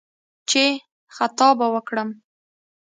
چې «خطا به وکړم»